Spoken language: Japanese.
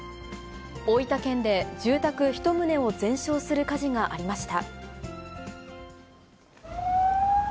大分県で住宅１棟を全焼する火事がありました。